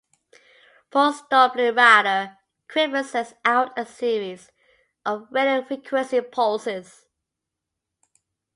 Pulse-Doppler radar equipment sends out a series of radio frequency pulses.